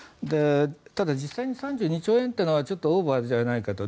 ただ実際に３２兆円というのはちょっとオーバーじゃないかと。